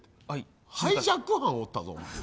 ハイジャック犯おったぞ。